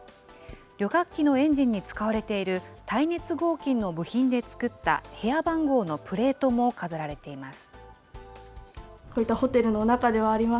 旅客機のエンジンに使われている耐熱合金の部品で作った部屋番号のプレートも飾られています。